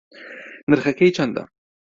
نرخەکەی چەندە